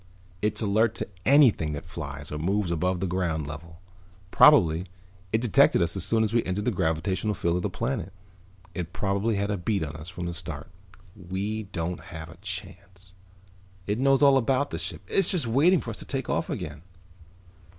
It's alert to anything that flies or moves above the ground level. Probably it detected us as soon as we entered the gravitational field of the planet. It probably had a bead on us from the start. We don't have a chance. It knows all about the ship. It's just waiting for us to take off again."